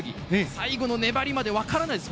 最後の粘りまで分からないです。